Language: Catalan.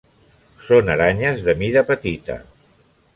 Són aranyes de mida petita.